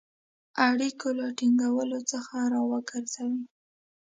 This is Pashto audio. اړیکو له ټینګولو څخه را وګرځوی.